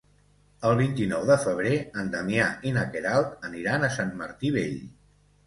El vint-i-nou de febrer en Damià i na Queralt aniran a Sant Martí Vell.